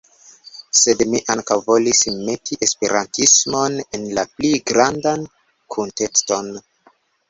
Sed mi ankaŭ volis meti esperantismon en la pli grandan kuntekston.